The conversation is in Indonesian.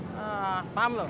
nah paham lo